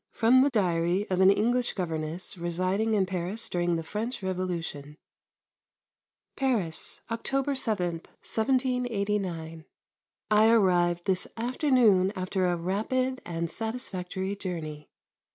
XIX FROM THE DIARY OF AN ENGLISH GOVERNESS RESIDING IN PARIS DURING THE FRENCH REVOLUTION Paris, October 7, 1789. I arrived this afternoon after a rapid and satisfactory journey.